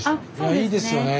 「あいいですよね」